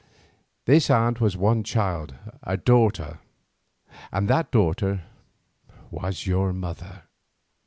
This aunt had one child, a daughter, and that daughter was your mother.